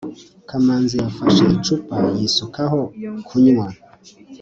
kamanzi yafashe icupa yisukaho kunywa